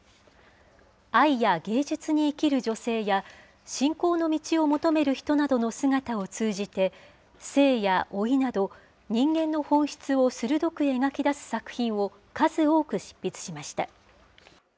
愛や芸術に生きる女性や、信仰の道を求める人などの姿を通じて、性や老いなど、人間の本質を鋭く描き出す作品を数多く執筆しました。